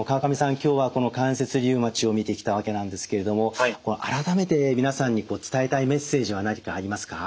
今日はこの関節リウマチを見てきたわけなんですけれども改めて皆さんに伝えたいメッセージは何かありますか？